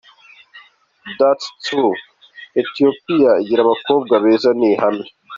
That is true!! Ethiopie igira abakobwa beza ni ihamwe.